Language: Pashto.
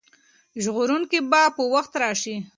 ژغورونکی به په وخت راشي.